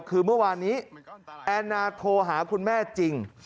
คือเมื่อวานนี้แอนนาโทรหาคุณแม่จริง